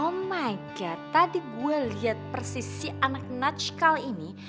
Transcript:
oh my god tadi gue liat persis si anak nudge kali ini